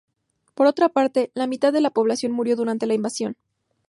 Por otra parte, la mitad de la población murió durante la invasión.